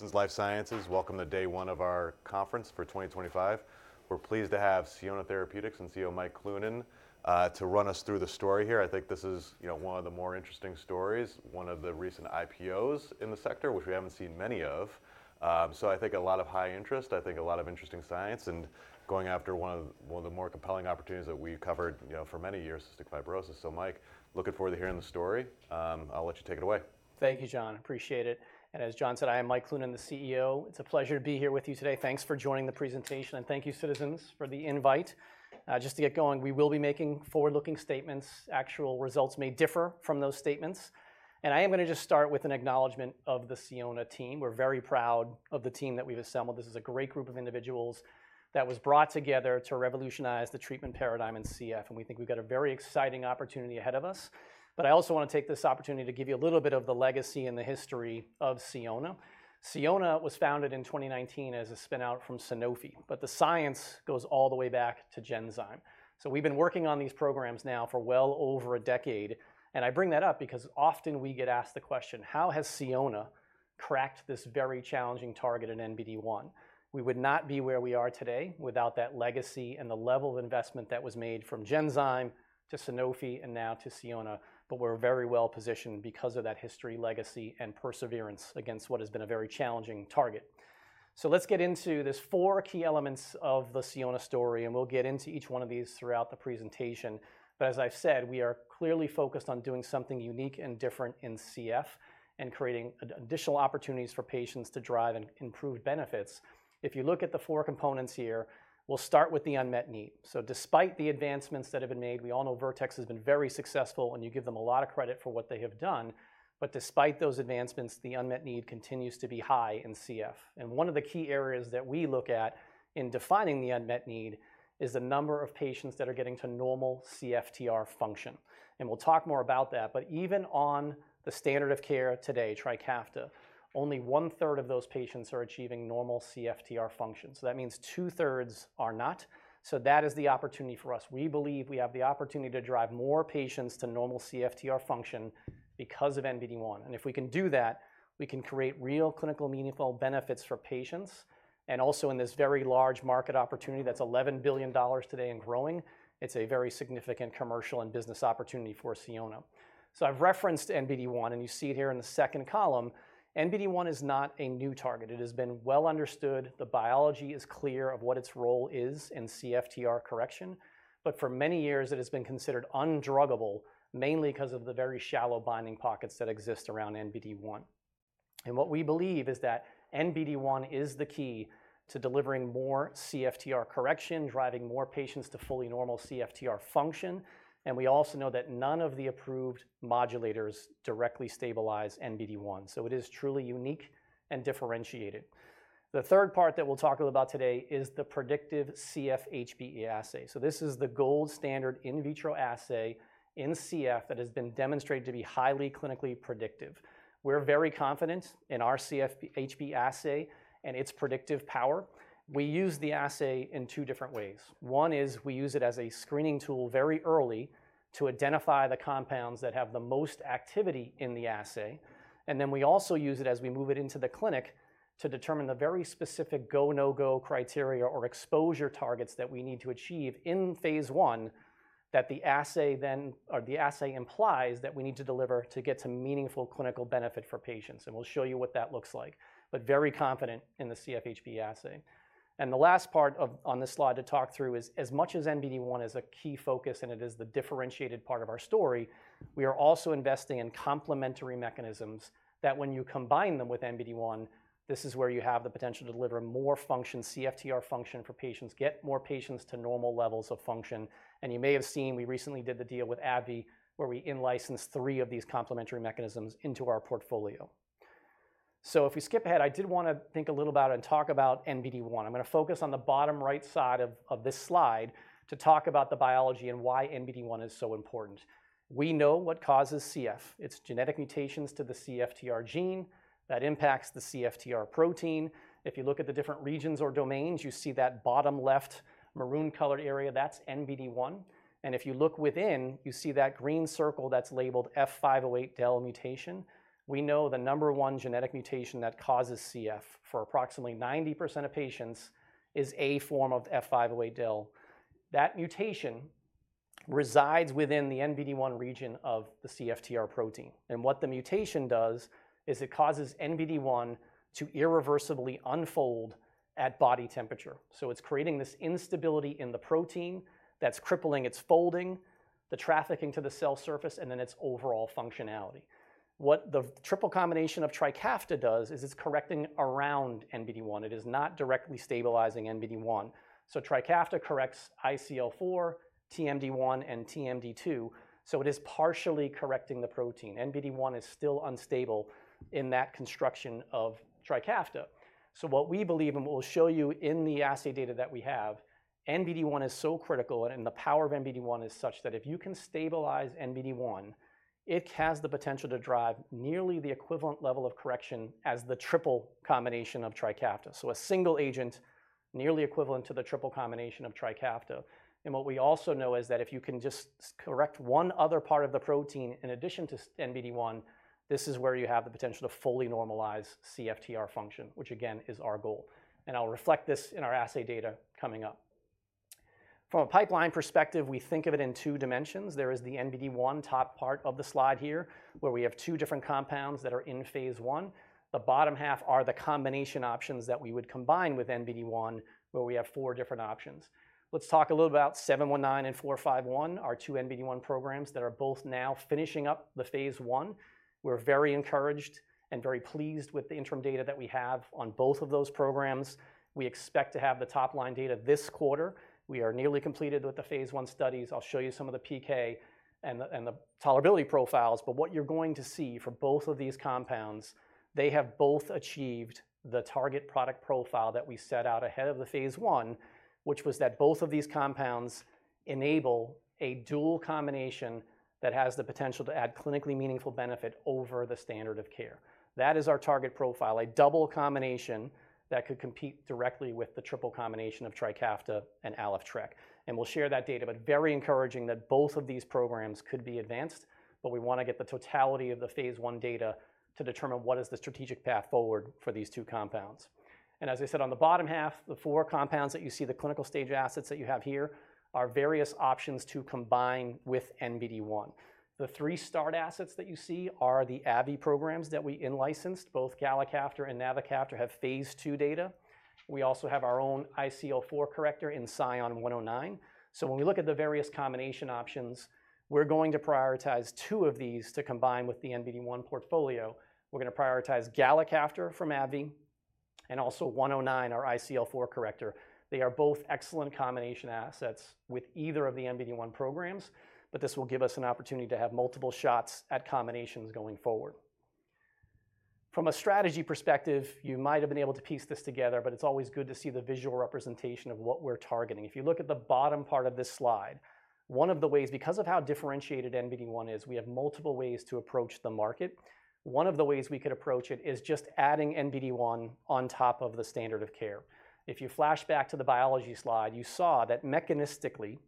This is Life Sciences. Welcome to day one of our conference for 2025. We're pleased to have Sionna Therapeutics and CEO Mike Cloonan to run us through the story here. I think this is, you know, one of the more interesting stories, one of the recent IPOs in the sector, which we haven't seen many of. I think a lot of high interest, I think a lot of interesting science, and going after one of the more compelling opportunities that we've covered for many years, cystic fibrosis. Mike, looking forward to hearing the story. I'll let you take it away. Thank you, John. Appreciate it. As John said, I am Mike Cloonan, the CEO. It's a pleasure to be here with you today. Thanks for joining the presentation, and thank you, citizens, for the invite. Just to get going, we will be making forward-looking statements. Actual results may differ from those statements. I am going to just start with an acknowledgment of the Sionna team. We're very proud of the team that we've assembled. This is a great group of individuals that was brought together to revolutionize the treatment paradigm in CF, and we think we've got a very exciting opportunity ahead of us. I also want to take this opportunity to give you a little bit of the legacy and the history of Sionna. Sionna was founded in 2019 as a spinout from Sanofi, but the science goes all the way back to Genzyme. We've been working on these programs now for well over a decade. I bring that up because often we get asked the question, how has Sionna cracked this very challenging target in NBD1? We would not be where we are today without that legacy and the level of investment that was made from Genzyme to Sanofi and now to Sionna. We're very well positioned because of that history, legacy, and perseverance against what has been a very challenging target. Let's get into these four key elements of the Sionna story, and we'll get into each one of these throughout the presentation. As I've said, we are clearly focused on doing something unique and different in CF and creating additional opportunities for patients to drive and improve benefits. If you look at the four components here, we'll start with the unmet need. Despite the advancements that have been made, we all know Vertex has been very successful, and you give them a lot of credit for what they have done. Despite those advancements, the unmet need continues to be high in CF. One of the key areas that we look at in defining the unmet need is the number of patients that are getting to normal CFTR function. We'll talk more about that. Even on the standard of care today, Trikafta, only one-third of those patients are achieving normal CFTR function. That means two-thirds are not. That is the opportunity for us. We believe we have the opportunity to drive more patients to normal CFTR function because of NBD1. If we can do that, we can create real clinical meaningful benefits for patients. Also in this very large market opportunity that's $11 billion today and growing, it's a very significant commercial and business opportunity for Sionna. I've referenced NBD1, and you see it here in the second column. NBD1 is not a new target. It has been well understood. The biology is clear of what its role is in CFTR correction. For many years, it has been considered undruggable, mainly because of the very shallow binding pockets that exist around NBD1. What we believe is that NBD1 is the key to delivering more CFTR correction, driving more patients to fully normal CFTR function. We also know that none of the approved modulators directly stabilize NBD1. It is truly unique and differentiated. The third part that we'll talk about today is the predictive CF HBE assay. This is the gold standard in vitro assay in CF that has been demonstrated to be highly clinically predictive. We're very confident in our CF HBE assay and its predictive power. We use the assay in two different ways. One is we use it as a screening tool very early to identify the compounds that have the most activity in the assay. We also use it as we move it into the clinic to determine the very specific go, no-go criteria or exposure targets that we need to achieve in phase one, that the assay then or the assay implies that we need to deliver to get to meaningful clinical benefit for patients. We'll show you what that looks like. Very confident in the CF HBE assay. The last part on this slide to talk through is, as much as NBD1 is a key focus and it is the differentiated part of our story, we are also investing in complementary mechanisms that when you combine them with NBD1, this is where you have the potential to deliver more function, CFTR function for patients, get more patients to normal levels of function. You may have seen we recently did the deal with AbbVie where we in-licensed three of these complementary mechanisms into our portfolio. If we skip ahead, I did want to think a little about it and talk about NBD1. I'm going to focus on the bottom right side of this slide to talk about the biology and why NBD1 is so important. We know what causes CF. It's genetic mutations to the CFTR gene that impacts the CFTR protein. If you look at the different regions or domains, you see that bottom left maroon-colored area, that's NBD1. If you look within, you see that green circle that's labeled F508del mutation. We know the number one genetic mutation that causes CF for approximately 90% of patients is a form of F508del. That mutation resides within the NBD1 region of the CFTR protein. What the mutation does is it causes NBD1 to irreversibly unfold at body temperature. It is creating this instability in the protein that's crippling its folding, the trafficking to the cell surface, and then its overall functionality. What the triple combination of Trikafta does is it's correcting around NBD1. It is not directly stabilizing NBD1. Trikafta corrects ICL4, TMD1, and TMD2. It is partially correcting the protein. NBD1 is still unstable in that construction of Trikafta. What we believe, and we'll show you in the assay data that we have, NBD1 is so critical, and the power of NBD1 is such that if you can stabilize NBD1, it has the potential to drive nearly the equivalent level of correction as the triple combination of Trikafta. A single agent nearly equivalent to the triple combination of Trikafta. What we also know is that if you can just correct one other part of the protein in addition to NBD1, this is where you have the potential to fully normalize CFTR function, which again is our goal. I'll reflect this in our assay data coming up. From a pipeline perspective, we think of it in two dimensions. There is the NBD1 top part of the slide here where we have two different compounds that are in phase 1. The bottom half are the combination options that we would combine with NBD1 where we have four different options. Let's talk a little about 719 and 451, our two NBD1 programs that are both now finishing up the phase 1. We're very encouraged and very pleased with the interim data that we have on both of those programs. We expect to have the top line data this quarter. We are nearly completed with the phase one studies. I'll show you some of the PK and the tolerability profiles. What you're going to see for both of these compounds, they have both achieved the target product profile that we set out ahead of the phase one, which was that both of these compounds enable a dual combination that has the potential to add clinically meaningful benefit over the standard of care. That is our target profile, a double combination that could compete directly with the triple combination of Trikafta and Aleftreq. We will share that data, but very encouraging that both of these programs could be advanced, but we want to get the totality of the phase one data to determine what is the strategic path forward for these two compounds. As I said, on the bottom half, the four compounds that you see, the clinical stage assets that you have here are various options to combine with NBD1. The three star assets that you see are the AbbVie programs that we in-licensed. Both GallaCaptor and Navacaptor have phase two data. We also have our own ICL4 corrector in SION-109. When we look at the various combination options, we are going to prioritize two of these to combine with the NBD1 portfolio. We're going to prioritize GallaCaptor from AbbVie and also 109, our ICL4 corrector. They are both excellent combination assets with either of the NBD1 programs, but this will give us an opportunity to have multiple shots at combinations going forward. From a strategy perspective, you might have been able to piece this together, but it's always good to see the visual representation of what we're targeting. If you look at the bottom part of this slide, one of the ways, because of how differentiated NBD1 is, we have multiple ways to approach the market. One of the ways we could approach it is just adding NBD1 on top of the standard of care. If you flash back to the biology slide, you saw that mechanistically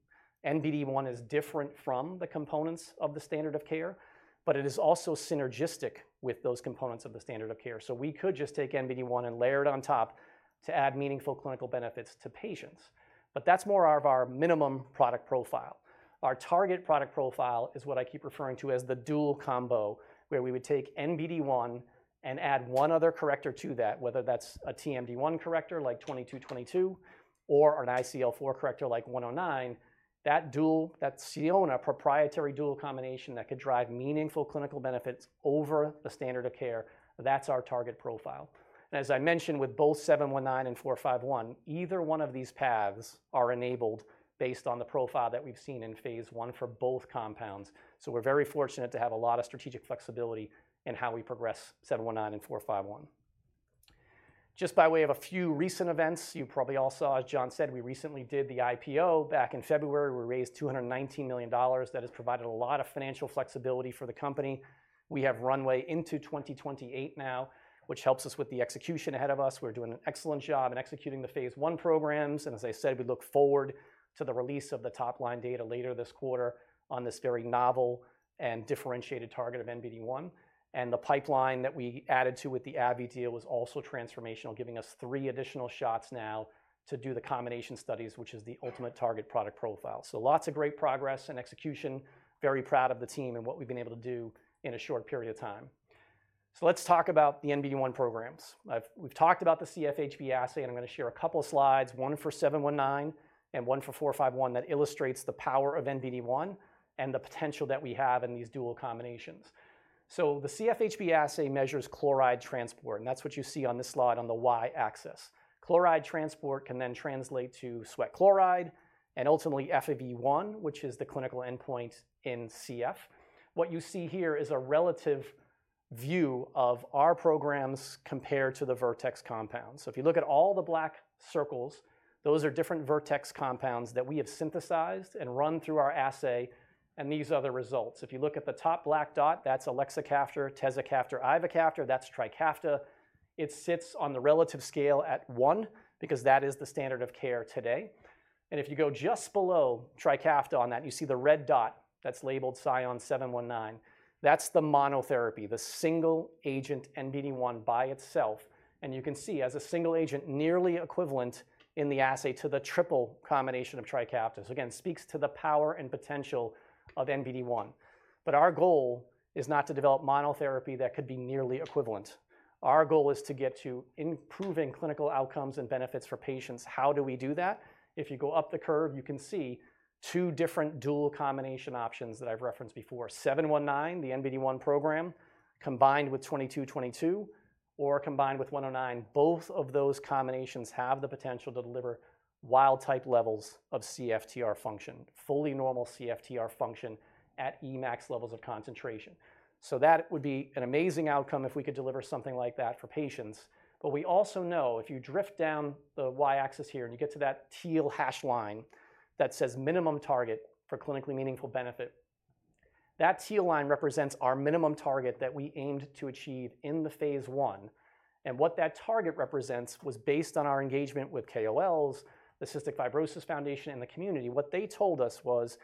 NBD1 is different from the components of the standard of care, but it is also synergistic with those components of the standard of care. We could just take NBD1 and layer it on top to add meaningful clinical benefits to patients. That is more of our minimum product profile. Our target product profile is what I keep referring to as the dual combo, where we would take NBD1 and add one other corrector to that, whether that is a TMD1 corrector like 2222 or an ICL4 corrector like 109. That dual, that Sionna proprietary dual combination that could drive meaningful clinical benefits over the standard of care, that is our target profile. As I mentioned, with both 719 and 451, either one of these paths are enabled based on the profile that we have seen in phase one for both compounds. We are very fortunate to have a lot of strategic flexibility in how we progress 719 and 451. Just by way of a few recent events, you probably all saw, as John said, we recently did the IPO back in February. We raised $219 million. That has provided a lot of financial flexibility for the company. We have runway into 2028 now, which helps us with the execution ahead of us. We're doing an excellent job in executing the phase one programs. As I said, we look forward to the release of the top line data later this quarter on this very novel and differentiated target of NBD1. The pipeline that we added to with the AbbVie deal was also transformational, giving us three additional shots now to do the combination studies, which is the ultimate target product profile. Lots of great progress and execution. Very proud of the team and what we've been able to do in a short period of time. Let's talk about the NBD1 programs. We've talked about the CF HBE assay, and I'm going to share a couple of slides, one for 719 and one for 451, that illustrates the power of NBD1 and the potential that we have in these dual combinations. The CF HBE assay measures chloride transport, and that's what you see on this slide on the Y axis. Chloride transport can then translate to sweat chloride and ultimately FEV1, which is the clinical endpoint in CF. What you see here is a relative view of our programs compared to the Vertex compounds. If you look at all the black circles, those are different Vertex compounds that we have synthesized and run through our assay and these other results. If you look at the top black dot, that's elexacaftor, tezacaftor, ivacaftor, that's Trikafta. It sits on the relative scale at one because that is the standard of care today. If you go just below Trikafta on that, you see the red dot that's labeled SION-719. That's the monotherapy, the single agent NBD1 by itself. You can see as a single agent nearly equivalent in the assay to the triple combination of Trikafta. It speaks to the power and potential of NBD1. Our goal is not to develop monotherapy that could be nearly equivalent. Our goal is to get to improving clinical outcomes and benefits for patients. How do we do that? If you go up the curve, you can see two different dual combination options that I've referenced before 719, the NBD1 program, combined with 2222 or combined with 109, both of those combinations have the potential to deliver wild-type levels of CFTR function, fully normal CFTR function at Emax levels of concentration. That would be an amazing outcome if we could deliver something like that for patients. We also know if you drift down the Y axis here and you get to that teal hash line that says minimum target for clinically meaningful benefit, that teal line represents our minimum target that we aimed to achieve in the phase one. What that target represents was based on our engagement with KOLs, the Cystic Fibrosis Foundation, and the community. What they told us was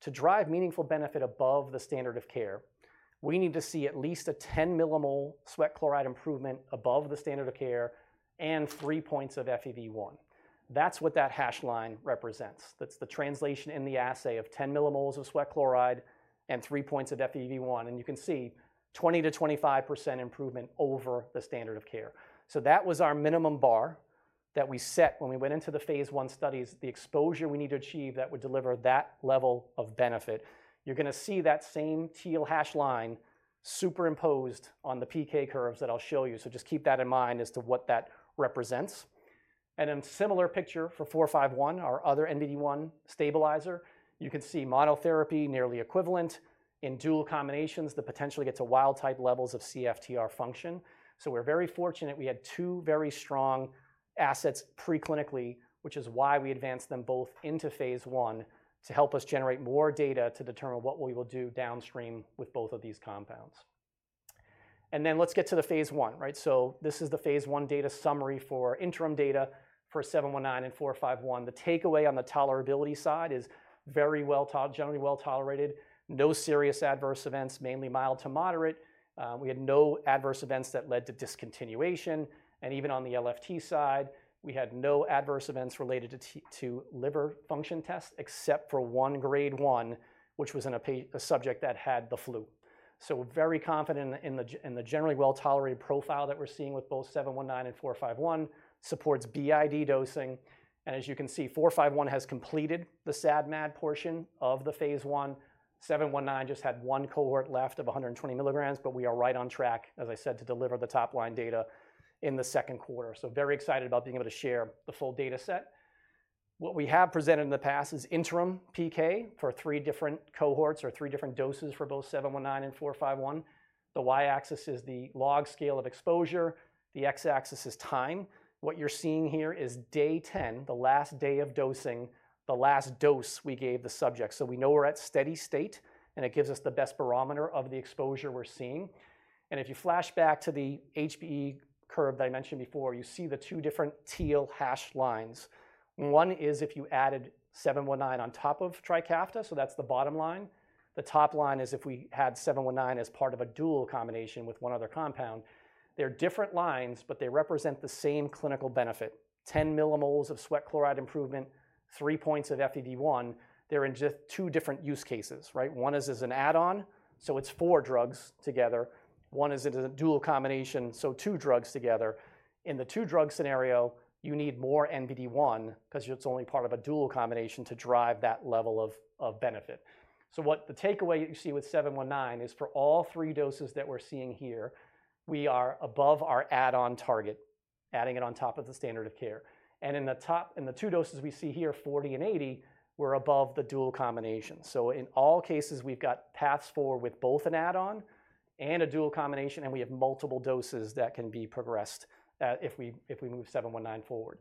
to drive meaningful benefit above the standard of care, we need to see at least a 10 millimole sweat chloride improvement above the standard of care and three points of FEV1. That's what that hash line represents. That's the translation in the assay of 10 millimoles of sweat chloride and three points of FEV1. You can see 20%-25% improvement over the standard of care. That was our minimum bar that we set when we went into the phase one studies, the exposure we need to achieve that would deliver that level of benefit. You are going to see that same teal hash line superimposed on the PK curves that I'll show you. Just keep that in mind as to what that represents. A similar picture for 451, our other NBD1 stabilizer. You can see monotherapy nearly equivalent in dual combinations that potentially get to wild-type levels of CFTR function. We're very fortunate we had two very strong assets preclinically, which is why we advanced them both into phase one to help us generate more data to determine what we will do downstream with both of these compounds. Let's get to the phase one, right? This is the phase one data summary for interim data for 719 and 451. The takeaway on the tolerability side is very well generally well tolerated, no serious adverse events, mainly mild to moderate. We had no adverse events that led to discontinuation. Even on the LFT side, we had no adverse events related to liver function tests except for one grade one, which was a subject that had the flu. Very confident in the generally well tolerated profile that we're seeing with both 719 and 451 supports BID dosing. As you can see, 451 has completed the SAD/MAD portion of the phase one. 719 just had one cohort left of 120 milligrams, but we are right on track, as I said, to deliver the top line data in the second quarter. Very excited about being able to share the full data set. What we have presented in the past is interim PK for three different cohorts or three different doses for both 719 and 451. The Y axis is the log scale of exposure. The X axis is time. What you're seeing here is day 10, the last day of dosing, the last dose we gave the subject. We know we're at steady state, and it gives us the best barometer of the exposure we're seeing. If you flash back to the HBE curve that I mentioned before, you see the two different teal hash lines. One is if you added 719 on top of Trikafta, so that's the bottom line. The top line is if we had 719 as part of a dual combination with one other compound. They're different lines, but they represent the same clinical benefit. 10 millimoles of sweat chloride improvement, three points of FEV1. They're in just two different use cases, right? One is as an add-on, so it's four drugs together. One is a dual combination, so two drugs together. In the two drug scenario, you need more NBD1 because it's only part of a dual combination to drive that level of benefit. What the takeaway you see with 719 is for all three doses that we're seeing here, we are above our add-on target, adding it on top of the standard of care. In the two doses we see here, 40 and 80, we're above the dual combination. In all cases, we've got paths forward with both an add-on and a dual combination, and we have multiple doses that can be progressed if we move 719 forward.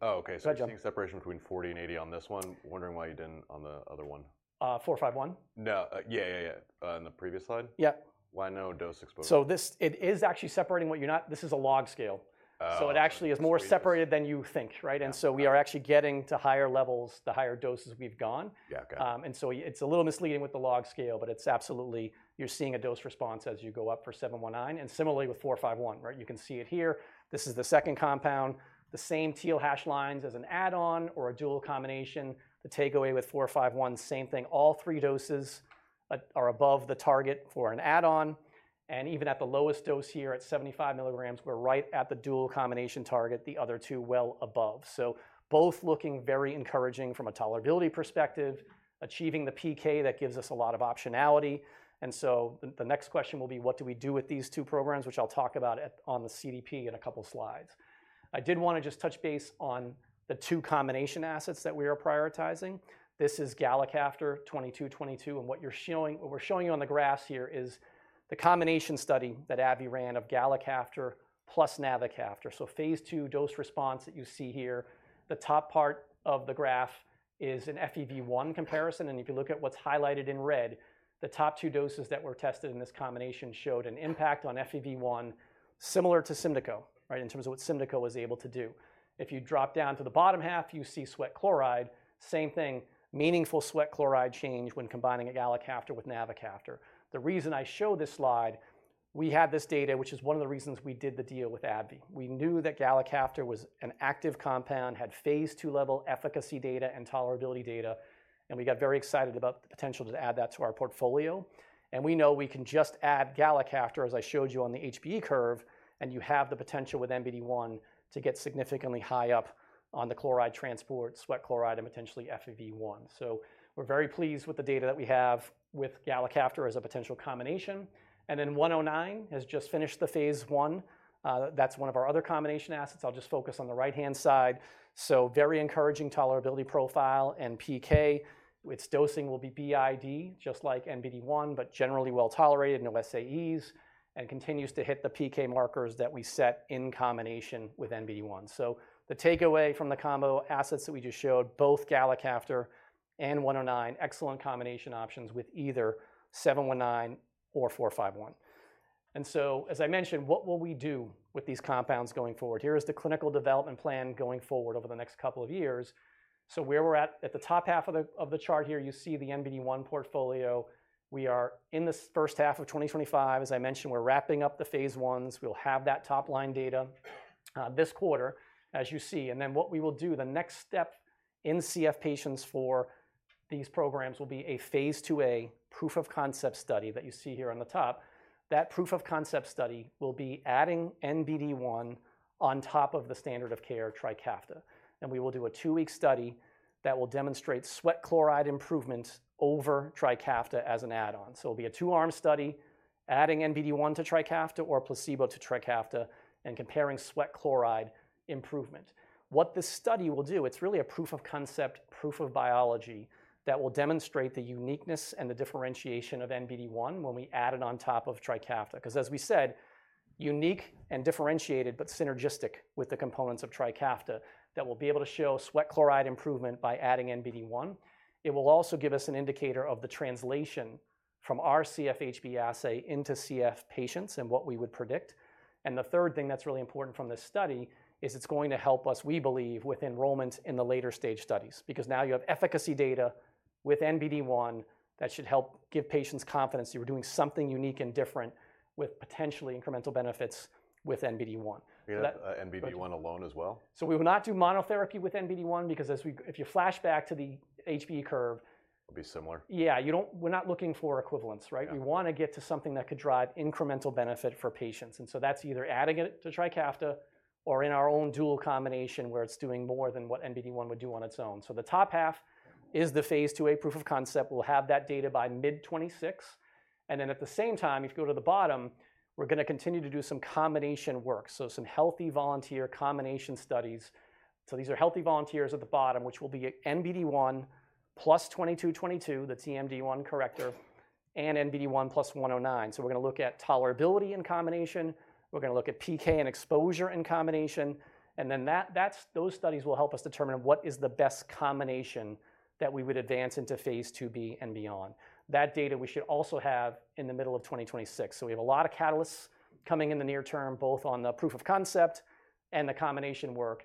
Oh, okay. I'm seeing separation between 40 and 80 on this one. Wondering why you didn't on the other one. 451? No. Yeah, yeah, yeah. On the previous slide? Yep. Why no dose exposure? It is actually separating, what you're not. This is a log scale. It actually is more separated than you think, right? We are actually getting to higher levels, the higher doses we've gone. It is a little misleading with the log scale, but it is absolutely, you are seeing a dose response as you go up for 719. Similarly with 451, right? You can see it here. This is the second compound. The same teal hash lines as an add-on or a dual combination. The takeaway with 451, same thing. All three doses are above the target for an add-on. Even at the lowest dose here at 75 milligrams, we are right at the dual combination target, the other two well above. Both looking very encouraging from a tolerability perspective, achieving the PK that gives us a lot of optionality. The next question will be, what do we do with these two programs, which I will talk about on the CDP in a couple of slides? I did want to just touch base on the two combination assets that we are prioritizing. This is GallaCaptor 2222. What we're showing you on the graphs here is the combination study that AbbVie ran of GallaCaptor plus Navacaptor. Phase two dose response that you see here, the top part of the graph is an FEV1 comparison. If you look at what's highlighted in red, the top two doses that were tested in this combination showed an impact on FEV1 similar to Symdeko, right, in terms of what Symdeko was able to do. If you drop down to the bottom half, you see sweat chloride, same thing, meaningful sweat chloride change when combining GallaCaptor with Navacaptor. The reason I show this slide, we had this data, which is one of the reasons we did the deal with AbbVie. We knew that GallaCaptor was an active compound, had phase two level efficacy data and tolerability data, and we got very excited about the potential to add that to our portfolio. We know we can just add GallaCaptor, as I showed you on the HBE curve, and you have the potential with NBD1 to get significantly high up on the chloride transport, sweat chloride, and potentially FEV1. We are very pleased with the data that we have with GallaCaptor as a potential combination. 109 has just finished the phase one. That's one of our other combination assets. I'll just focus on the right-hand side. Very encouraging tolerability profile and PK. Its dosing will be BID, just like NBD1, but generally well tolerated, no SAEs, and continues to hit the PK markers that we set in combination with NBD1. The takeaway from the combo assets that we just showed, both GallaCaptor and 109, excellent combination options with either 719 or 451. As I mentioned, what will we do with these compounds going forward? Here is the clinical development plan going forward over the next couple of years. Where we're at, at the top half of the chart here, you see the NBD1 portfolio. We are in the first half of 2025. As I mentioned, we're wrapping up the phase ones. We'll have that top line data this quarter, as you see. What we will do, the next step in CF patients for these programs will be a phase 2a proof of concept study that you see here on the top. That proof of concept study will be adding NBD1 on top of the standard of care Trikafta. We will do a two-week study that will demonstrate sweat chloride improvement over Trikafta as an add-on. It will be a two-arm study, adding NBD1 to Trikafta or placebo to Trikafta and comparing sweat chloride improvement. What this study will do, it's really a proof of concept, proof of biology that will demonstrate the uniqueness and the differentiation of NBD1 when we add it on top of Trikafta. Because, as we said, unique and differentiated, but synergistic with the components of Trikafta that will be able to show sweat chloride improvement by adding NBD1. It will also give us an indicator of the translation from our CF HBE assay into CF patients and what we would predict. The third thing that's really important from this study is it's going to help us, we believe, with enrollment in the later stage studies. Because now you have efficacy data with NBD1 that should help give patients confidence that you're doing something unique and different with potentially incremental benefits with NBD1. NBD1 alone as well? We will not do monotherapy with NBD1 because if you flash back to the HBE curve. It'll be similar. Yeah. We're not looking for equivalence, right? We want to get to something that could drive incremental benefit for patients. That is either adding it to Trikafta or in our own dual combination where it's doing more than what NBD1 would do on its own. The top half is the phase 2a proof of concept. We'll have that data by mid-2026. At the same time, if you go to the bottom, we're going to continue to do some combination work. Some healthy volunteer combination studies. These are healthy volunteers at the bottom, which will be NBD1 plus 2222, the TMD1 corrector, and NBD1 plus 109. We're going to look at tolerability in combination. We're going to look at PK and exposure in combination. Those studies will help us determine what is the best combination that we would advance into phase 2B and beyond. That data we should also have in the middle of 2026. We have a lot of catalysts coming in the near term, both on the proof of concept and the combination work.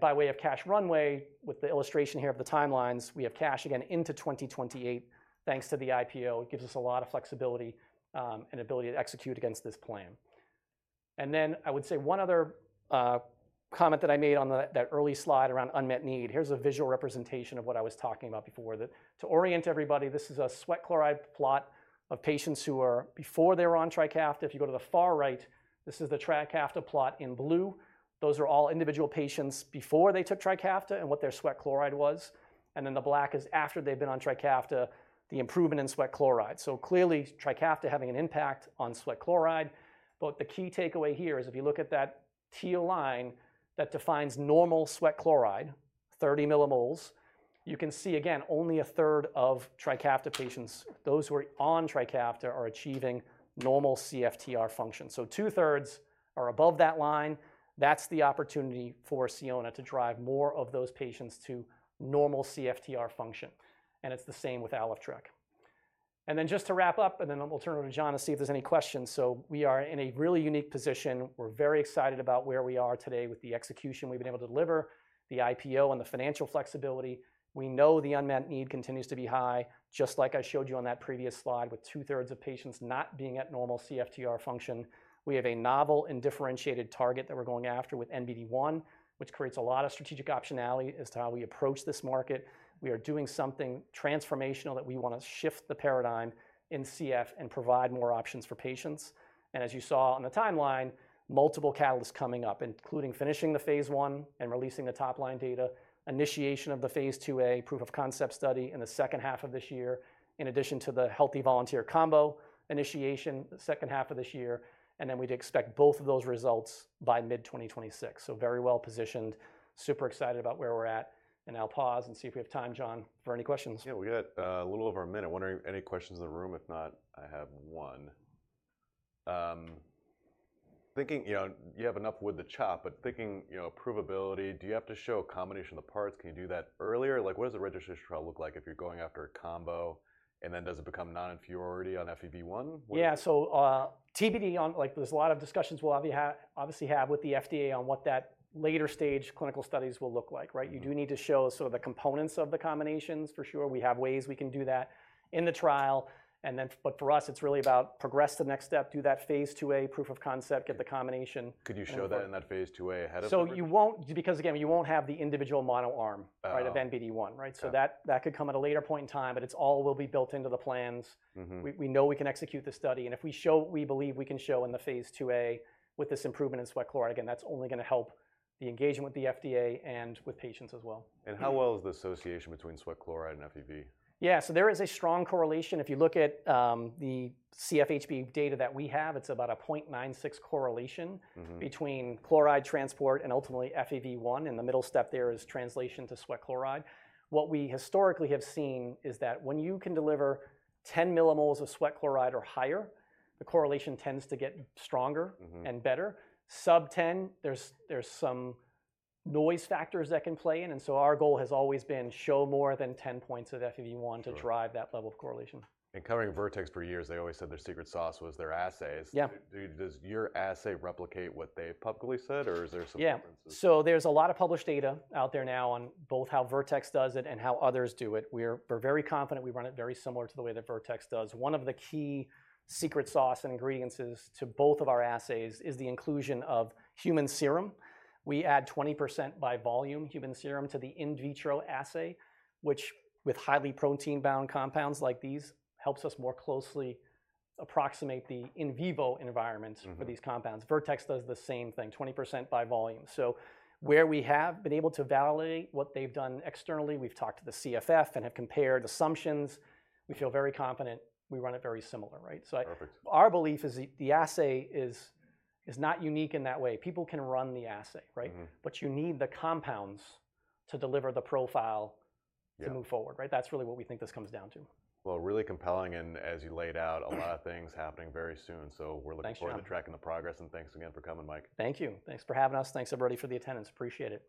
By way of cash runway, with the illustration here of the timelines, we have cash again into 2028, thanks to the IPO. It gives us a lot of flexibility and ability to execute against this plan. I would say one other comment that I made on that early slide around unmet need. Here's a visual representation of what I was talking about before. To orient everybody, this is a sweat chloride plot of patients who were before they were on Trikafta. If you go to the far right, this is the Trikafta plot in blue. Those are all individual patients before they took Trikafta and what their sweat chloride was. The black is after they've been on Trikafta, the improvement in sweat chloride. Clearly, Trikafta having an impact on sweat chloride. The key takeaway here is if you look at that teal line that defines normal sweat chloride, 30 millimoles, you can see again, only a third of Trikafta patients, those who are on Trikafta, are achieving normal CFTR function. Two-thirds are above that line. That's the opportunity for Sionna to drive more of those patients to normal CFTR function. It's the same with Aleftreq. To wrap up, we will turn it over to John to see if there are any questions. We are in a really unique position. We are very excited about where we are today with the execution we have been able to deliver, the IPO, and the financial flexibility. We know the unmet need continues to be high, just like I showed you on that previous slide with two-thirds of patients not being at normal CFTR function. We have a novel and differentiated target that we are going after with NBD1, which creates a lot of strategic optionality as to how we approach this market. We are doing something transformational that we want to shift the paradigm in CF and provide more options for patients. As you saw on the timeline, multiple catalysts coming up, including finishing the phase one and releasing the top line data, initiation of the phase 2a proof of concept study in the second half of this year, in addition to the healthy volunteer combo initiation the second half of this year. We'd expect both of those results by mid-2026. Very well positioned, super excited about where we're at. I'll pause and see if we have time, John, for any questions. Yeah, we got a little over a minute. Wondering any questions in the room? If not, I have one. You have enough wood to chop, but thinking provability, do you have to show a combination of the parts? Can you do that earlier? What does the registration trial look like if you're going after a combo? Does it become non-inferiority on FEV1? TBD, there's a lot of discussions we'll obviously have with the FDA on what that later stage clinical studies will look like, right? You do need to show sort of the components of the combinations for sure. We have ways we can do that in the trial. For us, it's really about progress to the next step, do that phase 2a proof of concept, get the combination. Could you show that in that phase 2a ahead of time? You won't, because again, you won't have the individual monoarm, right, of NBD1, right? That could come at a later point in time, but it all will be built into the plans. We know we can execute the study. If we show what we believe we can show in the phase 2a with this improvement in sweat chloride, again, that's only going to help the engagement with the FDA and with patients as well. How well is the association between sweat chloride and FEV1? Yeah. There is a strong correlation. If you look at the CF HBE data that we have, it's about a 0.96 correlation between chloride transport and ultimately FEV1. The middle step there is translation to sweat chloride. What we historically have seen is that when you can deliver 10 millimoles of sweat chloride or higher, the correlation tends to get stronger and better. Sub-10, there's some noise factors that can play in. Our goal has always been show more than 10 points of FEV1 to drive that level of correlation. Covering Vertex for years, they always said their secret sauce was their assays. Does your assay replicate what they've publicly said, or is there some differences? Yeah. There's a lot of published data out there now on both how Vertex does it and how others do it. We're very confident we run it very similar to the way that Vertex does. One of the key secret sauce ingredients to both of our assays is the inclusion of human serum. We add 20% by volume human serum to the in vitro assay, which with highly protein-bound compounds like these helps us more closely approximate the in vivo environment for these compounds. Vertex does the same thing, 20% by volume. Where we have been able to validate what they've done externally, we've talked to the Cystic Fibrosis Foundation and have compared assumptions. We feel very confident we run it very similar, right? Our belief is the assay is not unique in that way. People can run the assay, right? You need the compounds to deliver the profile to move forward, right? That is really what we think this comes down to. Really compelling. As you laid out, a lot of things happening very soon. We are looking forward to tracking the progress. Thanks again for coming, Mike. Thank you. Thanks for having us. Thanks, everybody, for the attendance. Appreciate it.